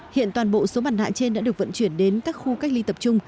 hiện toàn bộ số mặt nạ trên đã được vận chuyển đến các khu cách ly tập trung